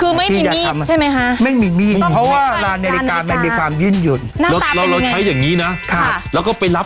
คุณติดไงกี่ครั้งคิดครับ